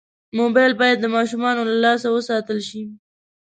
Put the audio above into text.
موبایل باید د ماشومانو له لاسه وساتل شي.